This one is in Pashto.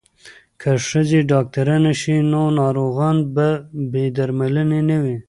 که ښځې ډاکټرانې شي نو ناروغان به بې درملنې نه وي.